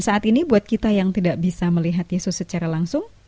mari berjalan ke sion